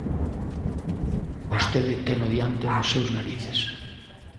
Vostede teno diante dos seus narices.